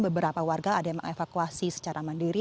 beberapa warga ada yang mengevakuasi secara mandiri